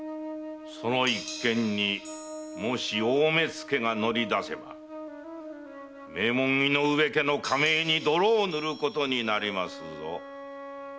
その一件にもし大目付が乗り出せば名門井上家の家名に泥を塗ることになりまするぞ。